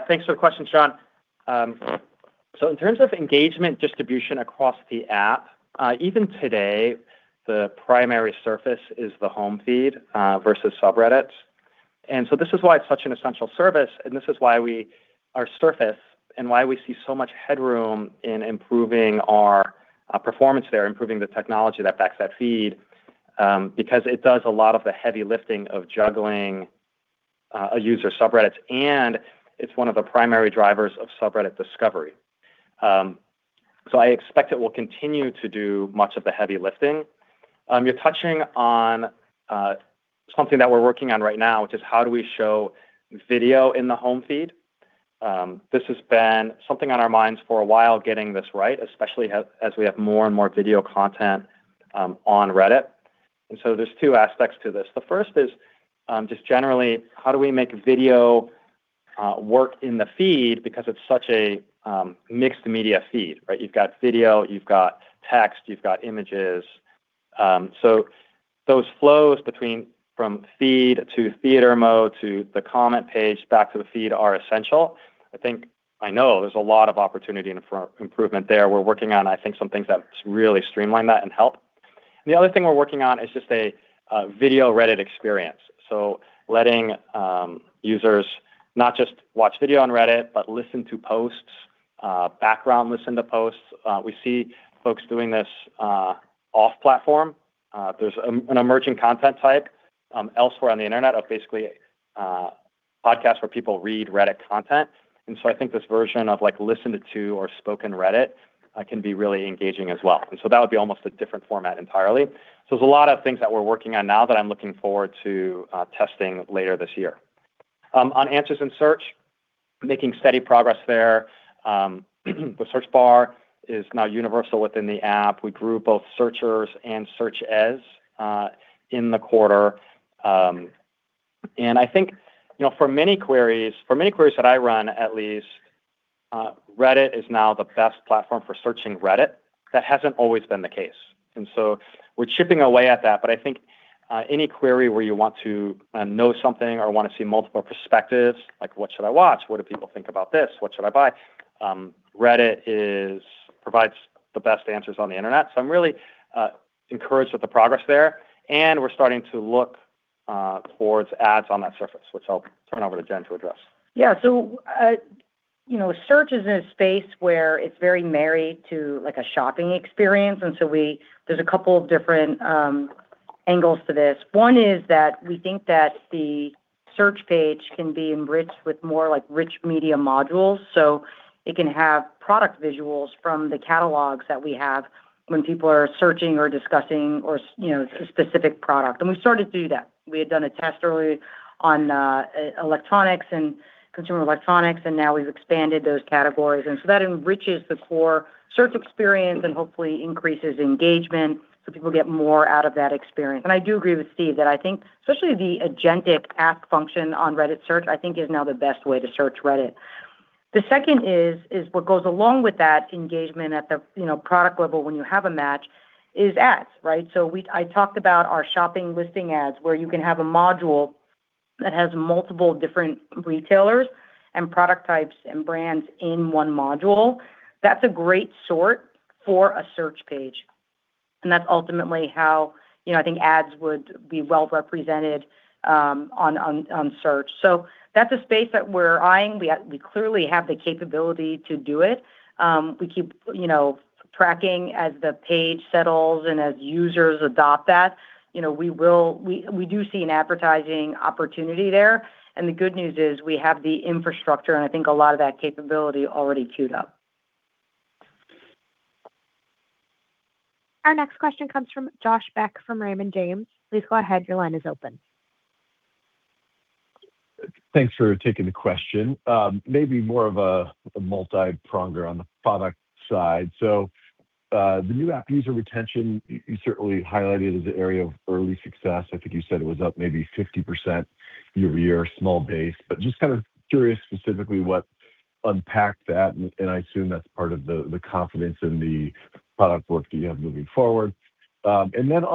[SPEAKER 3] Thanks for the question, John. In terms of engagement distribution across the app, even today, the primary surface is the home feed versus subreddits. This is why it's such an essential service, and this is why our surface and why we see so much headroom in improving our performance there, improving the technology that backs that feed, because it does a lot of the heavy lifting of juggling a user's subreddits, and it's one of the primary drivers of subreddit discovery. I expect it will continue to do much of the heavy lifting. You're touching on something that we're working on right now, which is how do we show video in the home feed. This has been something on our minds for a while, getting this right, especially as we have more and more video content on Reddit. There are two aspects to this. The first is just generally how do we make video work in the feed because it's such a mixed-media feed, right? You've got video, you've got text, you've got images. Those flows between from feed to theater mode to the comment page, back to the feed, are essential. I think I know there's a lot of opportunity for improvement there. We're working on, I think some things that really streamline that and help. The other thing we're working on is just a video Reddit experience. Letting users not just watch video on Reddit, but listen to posts, background listen to posts. We see folks doing this off-platform. There's an emerging content type, elsewhere on the internet of basically a podcast where people read Reddit content. I think this version of like listened to or spoken Reddit can be really engaging as well. That would be almost a different format entirely. There is a lot of things that we're working on now that I'm looking forward to testing later this year. On answers and search, making steady progress there. The search bar is now universal within the app. We grew both searchers and searches in the quarter. I think for many queries that I run at least, Reddit is now the best platform for searching Reddit. That hasn't always been the case, we're chipping away at that. I think, any query where you want to know something or want to see multiple perspectives, like what should I watch? What do people think about this? What should I buy? Reddit provides the best answers on the internet. I'm really encouraged with the progress there, we're starting to look towards ads on that surface, which I'll turn over to Jen to address.
[SPEAKER 4] Yeah. Search is a space where it's very married to a shopping experience. There are a couple of different angles to this. One is that we think that the search page can be enriched with more rich media modules, so it can have product visuals from the catalogs that we have when people are searching or discussing a specific product. We've started to do that. We had done a test early on electronics and consumer electronics, now we've expanded those categories. That enriches the core search experience and hopefully increases engagement so people get more out of that experience. I do agree with Steve that I think especially the agentic ask function on Reddit search, I think is now the best way to search Reddit. The second is what goes along with that engagement at the product level when you have a match, is ads, right? I talked about our shopping listing ads where you can have a module that has multiple different retailers and product types and brands in one module. That's a great sort for a search page, and that's ultimately how I think ads would be well-represented on search. That's a space that we're eyeing. We clearly have the capability to do it. We keep tracking as the page settles and as users adopt that. We do see an advertising opportunity there, and the good news is we have the infrastructure, and I think a lot of that capability already queued up.
[SPEAKER 1] Our next question comes from Josh Beck, from Raymond James.
[SPEAKER 12] Thanks for taking the question. Maybe more of a multi-pronger on the product side. The new app user retention, you certainly highlighted as an area of early success. I think you said it was up maybe 50% year-over-year, small base. Just curious specifically what unpacked that, and I assume that's part of the confidence in the product work that you have moving forward. On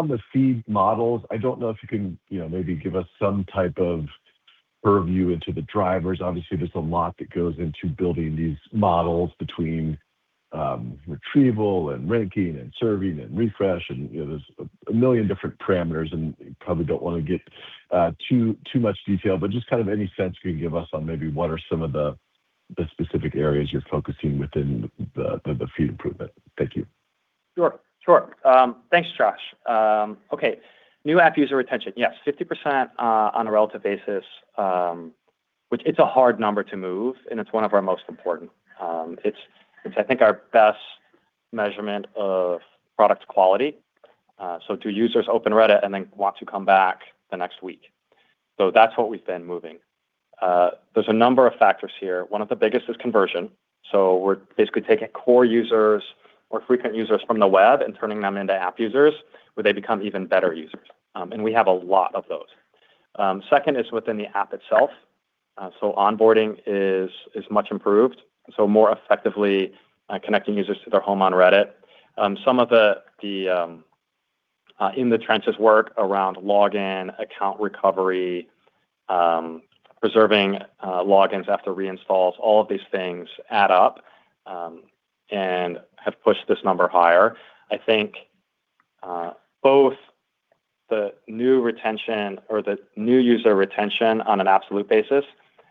[SPEAKER 12] the feed models, I don't know if you can maybe give us some type of purview into the drivers. Obviously, there's a lot that goes into building these models between retrieval and ranking and serving and refresh, and there's 1 million different parameters, and you probably don't want to get too much detail. Just any sense you can give us on maybe what are some of the specific areas you're focusing within the feed improvement? Thank you.
[SPEAKER 3] Sure. Thanks, Josh. New app user retention. Yes, 50% on a relative basis, which it's a hard number to move and it's one of our most important. It's I think our best measurement of product quality. Do users open Reddit and then want to come back the next week? That's what we've been moving. There's a number of factors here. One of the biggest is conversion. We're basically taking core users or frequent users from the web and turning them into app users, where they become even better users. We have a lot of those. Second is within the app itself. Onboarding is much improved, more effectively connecting users to their home on Reddit. Some of the in-the-trenches work around login, account recovery, preserving logins after reinstalls, all of these things add up, and have pushed this number higher. I think both the new retention or the new user retention on an absolute basis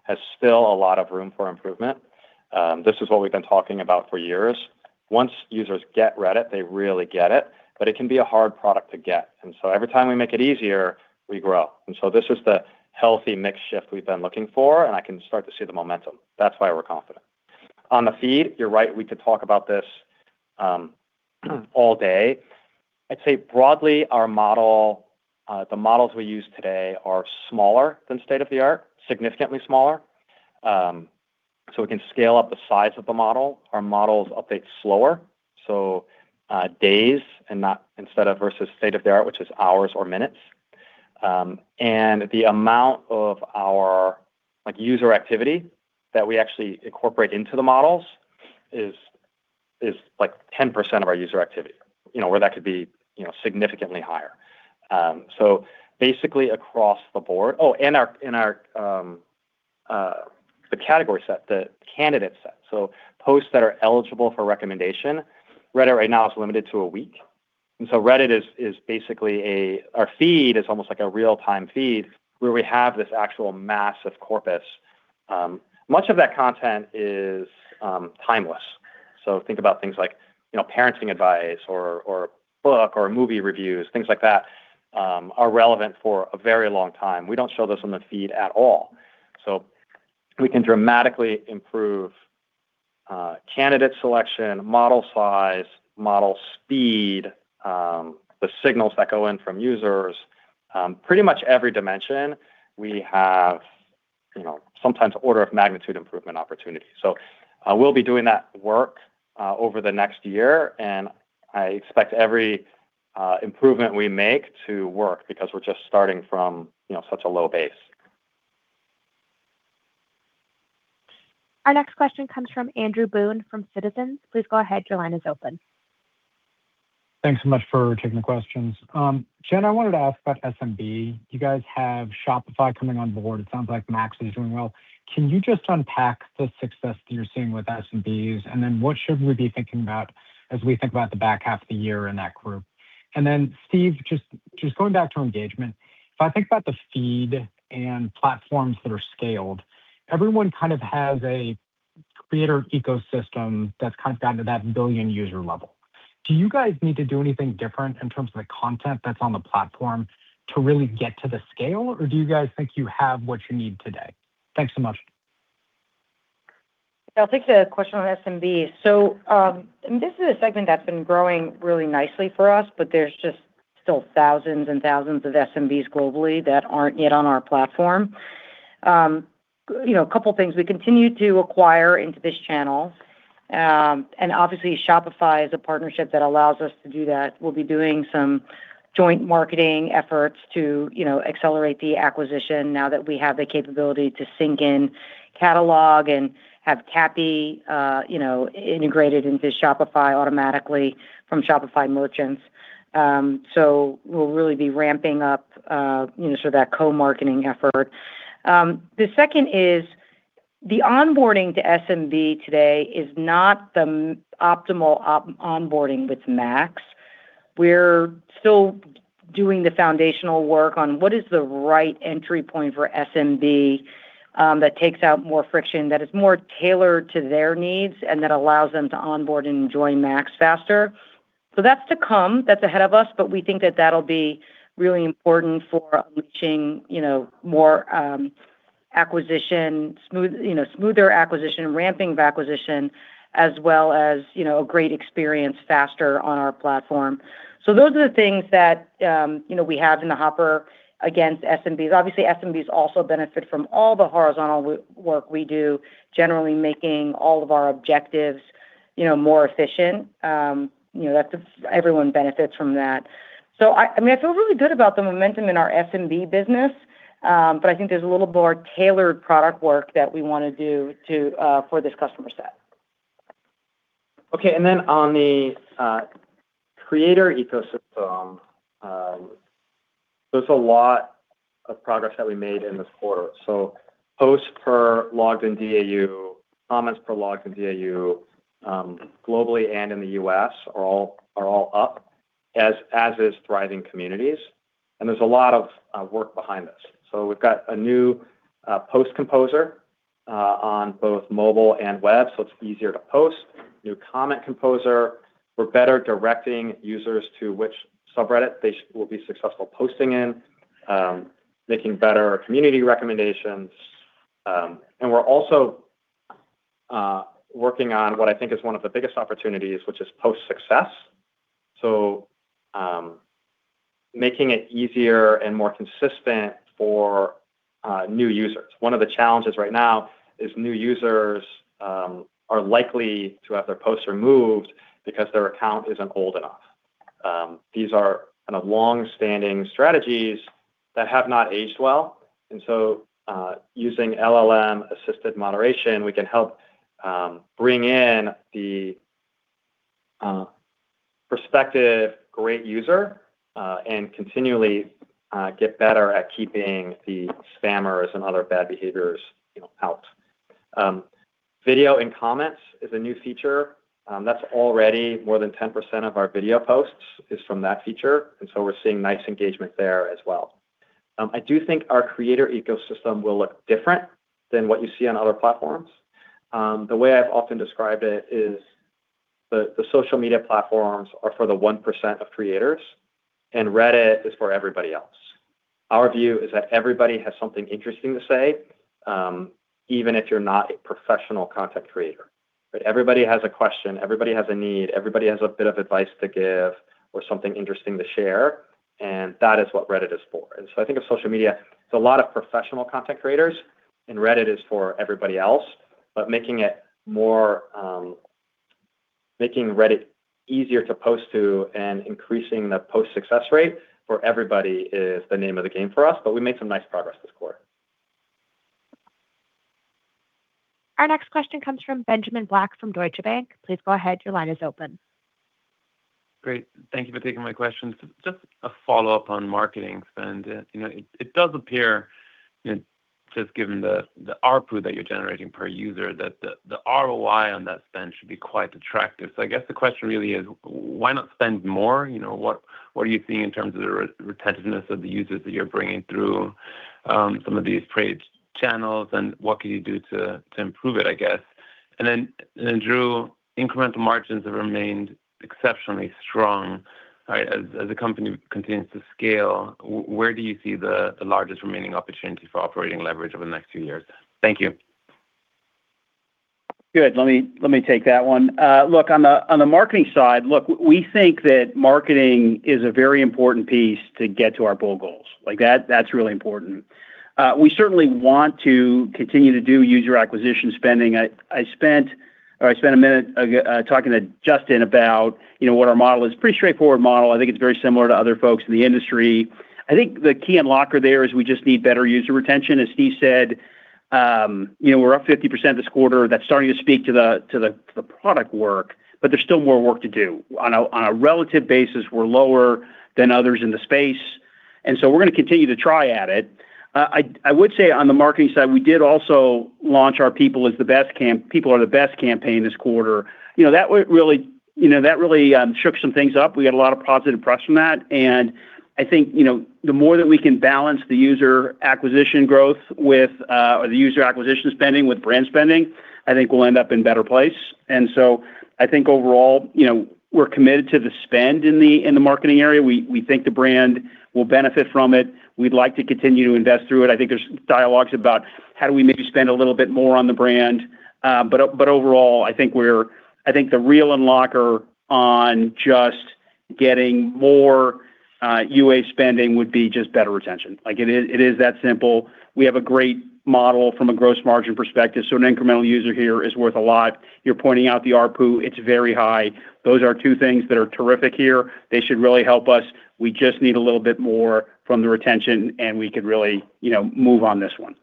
[SPEAKER 3] has still a lot of room for improvement. This is what we've been talking about for years. Once users get Reddit, they really get it, but it can be a hard product to get. Every time we make it easier, we grow. This is the healthy mix shift we've been looking for, and I can start to see the momentum. That's why we're confident. On the feed, you're right, we could talk about this all day. I'd say broadly, the models we use today are smaller than state-of-the-art, significantly smaller. We can scale up the size of the model. Our models update slower, so days instead of versus state-of-the-art, which is hours or minutes. The amount of our user activity that we actually incorporate into the models is 10% of our user activity, where that could be significantly higher. Basically, across the board. Oh, and the category set, the candidate set. Posts that are eligible for recommendation. Reddit right now is limited to a week, and Reddit, our feed is almost like a real-time feed where we have this actual massive corpus. Much of that content is timeless. Think about things like parenting advice or book or movie reviews. Things like that are relevant for a very long time. We don't show those on the feed at all. We can dramatically improve candidate selection, model size, model speed, the signals that go in from users. Pretty much every dimension we have sometimes order of magnitude improvement opportunities. We'll be doing that work over the next year, and I expect every improvement we make to work because we're just starting from such a low base.
[SPEAKER 1] Our next question comes from Andrew Boone from Citizens.
[SPEAKER 13] Thanks so much for taking the questions. Jen, I wanted to ask about SMB. You guys have Shopify coming on board. It sounds like Max is doing well. Can you just unpack the success that you're seeing with SMBs, and then what should we be thinking about as we think about the back half of the year in that group? Steve, just going back to engagement, if I think about the feed and platforms that are scaled, everyone kind of has a creator ecosystem that's kind of down to that billion-user level. Do you guys need to do anything different in terms of the content that's on the platform to really get to the scale, or do you guys think you have what you need today? Thanks so much.
[SPEAKER 4] I'll take the question on SMB. This is a segment that's been growing really nicely for us, but there's just still thousands and thousands of SMBs globally that aren't yet on our platform. We continue to acquire into this channel, and obviously Shopify is a partnership that allows us to do that. We'll be doing some joint marketing efforts to accelerate the acquisition now that we have the capability to sync in catalog and have CAPI integrated into Shopify automatically from Shopify merchants. We'll really be ramping up that co-marketing effort. The second is the onboarding to SMB today is not the optimal onboarding with Max. We're still doing the foundational work on what is the right entry point for SMB that takes out more friction, that is more tailored to their needs, and that allows them to onboard and join Max faster. That's to come, that's ahead of us, but we think that that'll be really important for unleashing smoother acquisition, ramping of acquisition, as well as a great experience faster on our platform. Those are the things that we have in the hopper against SMBs. Obviously, SMBs also benefit from all the horizontal work we do, generally making all of our objectives more efficient. Everyone benefits from that. I feel really good about the momentum in our SMB business. I think there's a little more tailored product work that we want to do for this customer set.
[SPEAKER 3] On the creator ecosystem, there's a lot of progress that we made in this quarter. Posts per logged in DAU, comments per logged in DAU, globally and in the U.S. are all up, as is thriving communities. There's a lot of work behind this. We've got a new post composer on both mobile and web, so it's easier to post. New comment composer. We're better directing users to which subreddit they will be successful posting in, making better community recommendations. We're also working on what I think is one of the biggest opportunities, which is post success. Making it easier and more consistent for new users. One of the challenges right now is new users are likely to have their posts removed because their account isn't old enough. These are long-standing strategies that have not aged well. Using LLM-assisted moderation, we can help bring in the prospective great user and continually get better at keeping the spammers and other bad behaviors out. Video and comments is a new feature. That's already more than 10% of our video posts is from that feature. We're seeing nice engagement there as well. I do think our creator ecosystem will look different than what you see on other platforms. The way I've often described it is the social media platforms are for the 1% of creators, and Reddit is for everybody else. Our view is that everybody has something interesting to say, even if you're not a professional content creator. Everybody has a question, everybody has a need, everybody has a bit of advice to give or something interesting to share, and that is what Reddit is for. I think of social media, it's a lot of professional content creators, and Reddit is for everybody else. Making Reddit easier to post to and increasing the post success rate for everybody is the name of the game for us. We made some nice progress this quarter.
[SPEAKER 1] Our next question comes from Benjamin Black from Deutsche Bank.
[SPEAKER 14] Great. Thank you for taking my questions. Just a follow-up on marketing spend. It does appear, just given the ARPU that you're generating per user, that the ROI on that spend should be quite attractive. I guess the question really is, why not spend more? What are you seeing in terms of the retentiveness of the users that you're bringing through some of these paid channels, and what can you do to improve it? Then, Drew, incremental margins have remained exceptionally strong. As the company continues to scale, where do you see the largest remaining opportunity for operating leverage over the next few years? Thank you.
[SPEAKER 5] Good. Let me take that one. On the marketing side, we think that marketing is a very important piece to get to our bold goals. That's really important. We certainly want to continue to do user acquisition spending. I spent a minute talking to Justin about what our model is. Pretty straightforward model. It's very similar to other folks in the industry. The key unlocker there is we just need better user retention. As Steve said, we're up 50% this quarter. That's starting to speak to the product work, but there's still more work to do. On a relative basis, we're lower than others in the space, we're going to continue to try at it. I would say on the marketing side, we did also launch our People Are the Best campaign this quarter. That really shook some things up. We got a lot of positive press from that, the more that we can balance the user acquisition spending with brand spending, we'll end up in better place. Overall, we're committed to the spend in the marketing area. We think the brand will benefit from it. We'd like to continue to invest through it. There's dialogues about how do we maybe spend a little bit more on the brand. Overall, the real unlocker on just getting more UA spending would be just better retention. It is that simple. We have a great model from a gross margin perspective, so an incremental user here is worth a lot. You're pointing out the ARPU. It's very high. Those are two things that are terrific here. They should really help us. We just need a little bit more from the retention, we could really move on this one.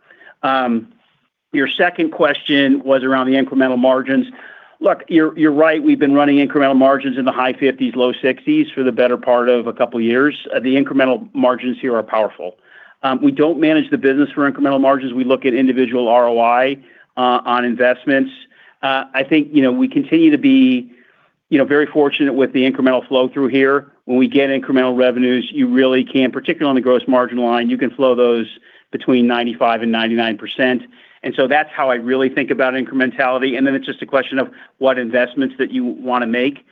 [SPEAKER 5] Your second question was around the incremental margins. You're right. We've been running incremental margins in the high 50s, low 60s for the better part of a couple of years. The incremental margins here are powerful. We don't manage the business for incremental margins. We look at individual ROI on investments. We continue to be very fortunate with the incremental flow through here. When we get incremental revenues, you really can, particularly on the gross margin line, you can flow those between 95% and 99%. That's how I really think about incrementality. It's just a question of what investments that you want to make.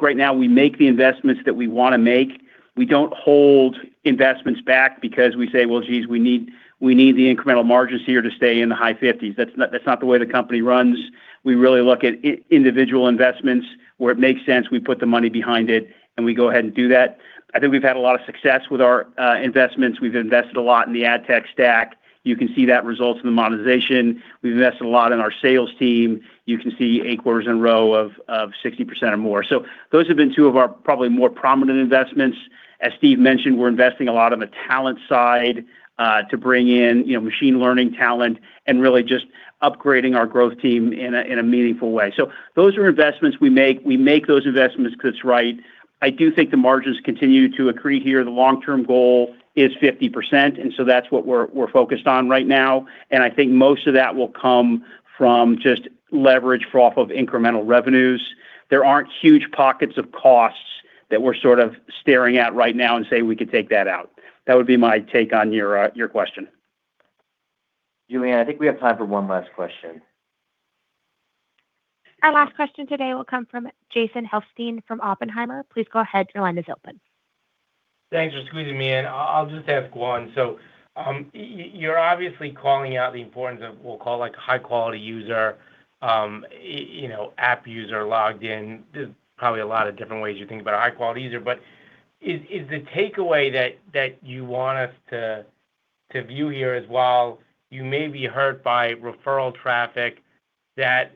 [SPEAKER 5] Right now we make the investments that we want to make. We don't hold investments back because we say, "We need the incremental margins here to stay in the high 50s." That's not the way the company runs. We really look at individual investments. Where it makes sense, we put the money behind it, we go ahead and do that. We've had a lot of success with our investments. We've invested a lot in the ad tech stack. You can see that results in the monetization. We've invested a lot in our sales team. You can see eight quarters in a row of 60% or more. Those have been two of our probably more prominent investments. As Steve mentioned, we're investing a lot on the talent side to bring in machine learning talent and really just upgrading our growth team in a meaningful way. Those are investments we make. We make those investments because it's right. I do think the margins continue to accrete here. The long-term goal is 50%, that's what we're focused on right now, I think most of that will come from just leverage for off of incremental revenues. There aren't huge pockets of costs that we're sort of staring at right now and say we could take that out. That would be my take on your question.
[SPEAKER 3] Julianne, I think we have time for one last question.
[SPEAKER 1] Our last question today will come from Jason Helfstein from Oppenheimer.
[SPEAKER 15] Thanks for squeezing me in. I'll just ask one. You're obviously calling out the importance of, we'll call, a high-quality user, app user, logged in. There's probably a lot of different ways you think about a high-quality user. Is the takeaway that you want us to view here is while you may be hurt by referral traffic, that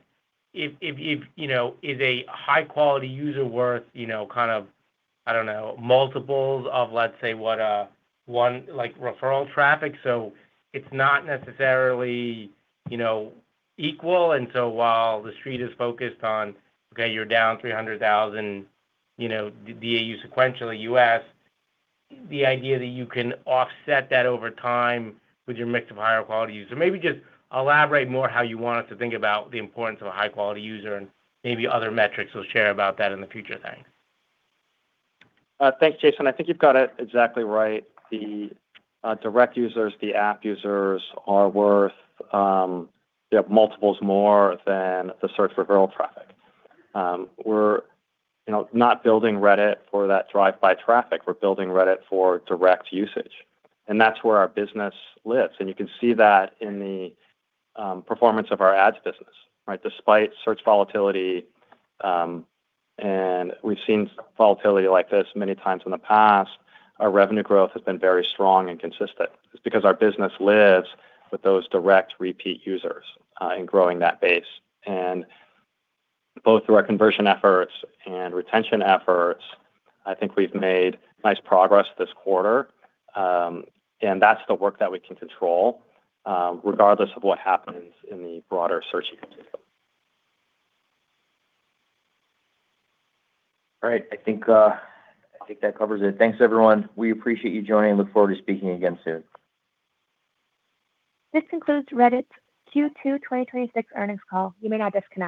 [SPEAKER 15] is a high-quality user worth, I don't know, multiples of, let's say, what a one referral traffic? It's not necessarily equal, while The Street is focused on, okay, you're down 300,000 DAU sequentially U.S., the idea that you can offset that over time with your mix of higher quality user. Maybe just elaborate more how you want us to think about the importance of a high-quality user and maybe other metrics we'll share about that in the future. Thanks.
[SPEAKER 3] Thanks, Jason. I think you've got it exactly right. The direct users, the app users are worth multiples more than the search referral traffic. We're not building Reddit for that drive-by traffic. We're building Reddit for direct usage, and that's where our business lives, and you can see that in the performance of our ads business. Despite search volatility, and we've seen volatility like this many times in the past, our revenue growth has been very strong and consistent. It's because our business lives with those direct repeat users, and growing that base. Both through our conversion efforts and retention efforts, I think we've made nice progress this quarter. That's the work that we can control, regardless of what happens in the broader search ecosystem. All right. I think that covers it. Thanks, everyone. We appreciate you joining and look forward to speaking again soon.
[SPEAKER 1] This concludes Reddit's Q2 2026 earnings call. You may now disconnect.